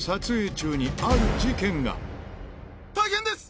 大変です！